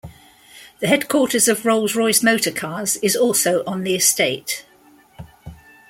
The headquarters of Rolls Royce Motor Cars is also on the Estate.